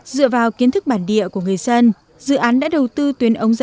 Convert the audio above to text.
dựa vào kiến thức bản địa của người dân dự án đã đầu tư tuyến ống dẫn